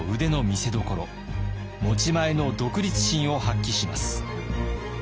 持ち前の独立心を発揮します。